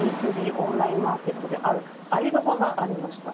オンラインマーケットであるアリババがありました。